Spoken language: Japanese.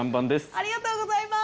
ありがとうございます。